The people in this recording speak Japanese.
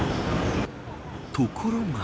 ところが。